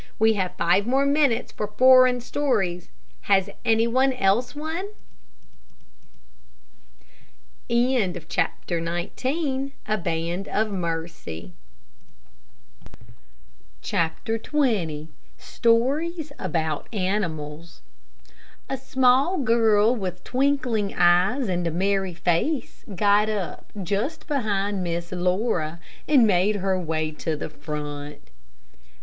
We have five more minutes for foreign stories. Has any one else one?" CHAPTER XX STORIES ABOUT ANIMALS A small girl, with twinkling eyes and a merry face, got up, just behind Miss Laura, and made her way to the front.